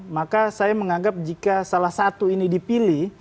maka saya menganggap jika salah satu ini dipilih